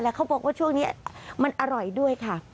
เขาบอกว่าช่วงนี้มันอร่อยด้วยค่ะ